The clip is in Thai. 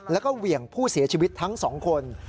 แล้วก็เหวี่ยงผู้เสียชีวิตทั้งสองคน